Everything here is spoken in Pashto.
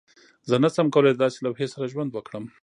زه نشم کولی د داسې لوحې سره ژوند وکړم